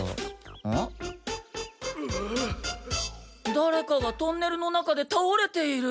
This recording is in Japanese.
だれかがトンネルの中でたおれている！